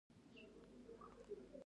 زما پلار دا ځل غنم او شړشم کري.